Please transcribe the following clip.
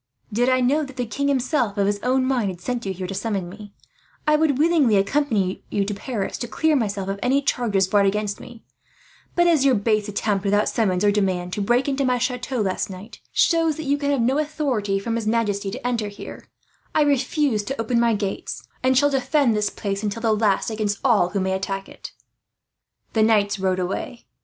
Did I know that the king himself, of his own mind, had sent you here to summons me, I would willingly accompany you to Paris, to clear myself from any charges brought against me; but as your base attempt, without summons or demand, to break into my chateau last night shows that you can have no authority from his majesty to enter here, I refuse to open my gates; and shall defend this place until the last, against all who may attack it." The knights rode away.